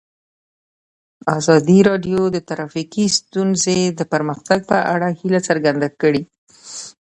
ازادي راډیو د ټرافیکي ستونزې د پرمختګ په اړه هیله څرګنده کړې.